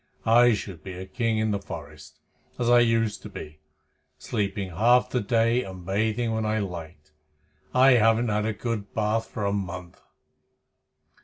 I should be a king in the forest, as I used to be, sleeping half the day and bathing when I liked. I haven't had a good bath for a month."